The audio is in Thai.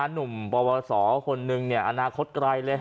หนุ่มบสคนหนึ่งเนี่ยอนาคตไกลเลย